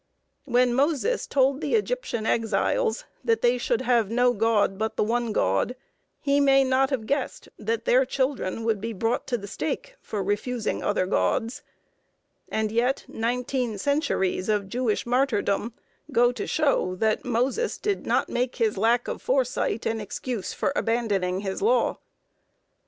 When Moses told the Egyptian exiles that they should have no god but the One God, he may not have guessed that their children would be brought to the stake for refusing other gods; and yet nineteen centuries of Jewish martyrdom go to show that the followers of Moses did not make his lack of foresight an excuse for abandoning his Law.